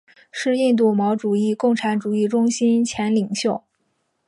是印度毛主义共产主义中心前领袖。